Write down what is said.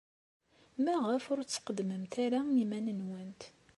Maɣef ur d-tqeddmemt ara iman-nwent?